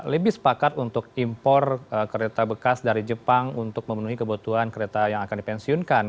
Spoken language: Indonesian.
lebih sepakat untuk impor kereta bekas dari jepang untuk memenuhi kebutuhan kereta yang akan dipensiunkan